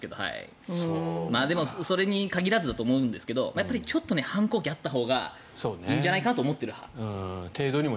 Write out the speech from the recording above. でも、それに限らずだと思うんですけどちょっと反抗期があったほうがいいんじゃないかと思っている派です。